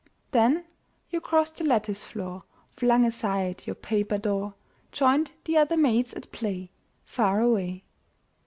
Then you crossed your lattice floor, Flung aside your paper door, Joined the other maids at play, Far away.